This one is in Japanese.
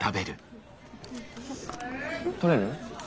取れる？